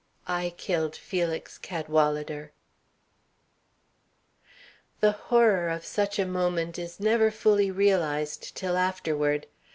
I killed Felix Cadwalader!" The horror of such a moment is never fully realized till afterward.